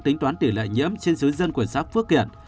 tính toán tỷ lệ nhiễm trên xứ dân của xã phước kiển